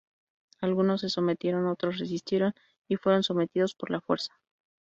Algunos se sometieron, otros resistieron y fueron sometidos por la fuerza.